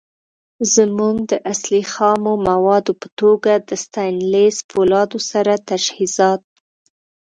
زمونږ د اصلی. خامو موادو په توګه د ستينليس فولادو سره تجهیزات